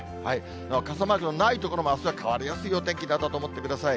傘マークのない所も、あすは変わりやすいお天気になると思ってください。